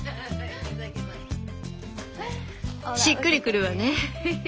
しっくりくるわね。